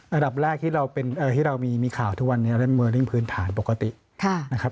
ระดับแรกที่เรามีข่าวทุกวันนี้เล่นเวอร์ริ่งพื้นฐานปกตินะครับ